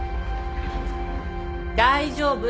大丈夫。